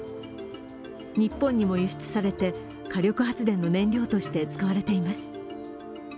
日本にも輸出されて、火力発電の燃料として使われています。